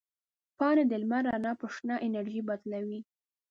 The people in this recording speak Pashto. پاڼې د لمر رڼا په شنه انرژي بدلوي.